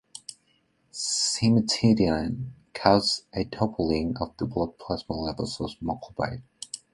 Cimetidine, causes a doubling of the blood plasma levels of moclobemide.